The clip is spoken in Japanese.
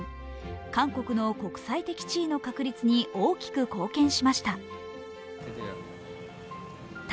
韓国の国際的地位の確立に大きく貢献しました。